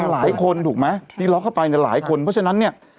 หลายคนถูกไหมที่ล็อกเข้าไปเนี่ยหลายคนเพราะฉะนั้นเนี่ย